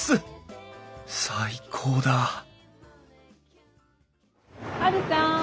最高だハルさん。